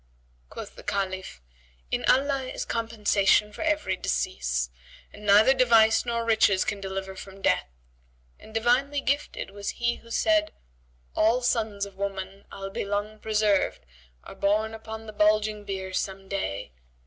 Quoth the Caliph, "In Allah is compensation for every decease, and neither device nor riches can deliver from death; and divinely gifted was he who said, 'All sons of woman, albe long preserved, * Are borne upon the bulging bier some day.